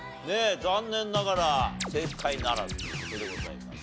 残念ながら正解ならずという事でございます。